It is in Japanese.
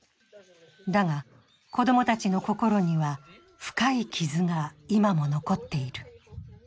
だが、子供たちの心には深い傷が今も残っている。